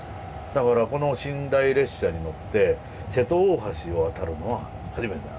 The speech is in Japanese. だからこの寝台列車に乗って瀬戸大橋を渡るのは初めてなのね。